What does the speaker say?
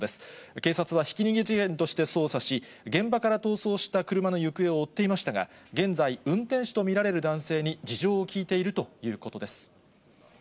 警察はひき逃げ事件として捜査し、現場から逃走した車の行方を追っていましたが、現在、運転手と見られる男性に事情を聴いているということです。